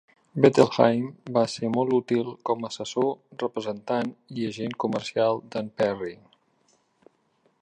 Bettelheim va ser molt útil com assessor, representant i agent comercial de"n Perry.